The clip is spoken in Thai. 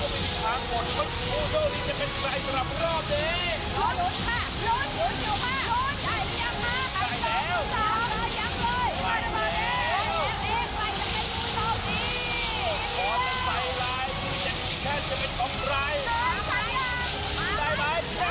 พี่มีด้วยค่ะ